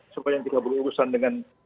sepanjang kita berurusan dengan